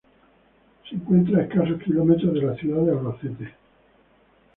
Se encuentra a escasos kilómetros de la ciudad de Albacete.